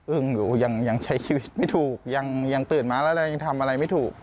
อยู่ยังใช้ชีวิตไม่ถูกยังตื่นมาแล้วเรายังทำอะไรไม่ถูก